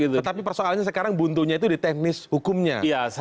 tetapi persoalannya sekarang buntunya itu di teknis hukumnya